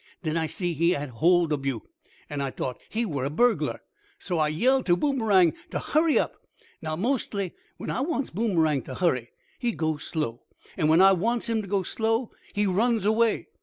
Den I see he had hold ob you, an' I t'ought he were a burglar. So I yelled t' Boomerang t' hurry up. Now, mostly, when I wants Boomerang t' hurry, he goes slow, an' when I wants him t' go slow, he runs away.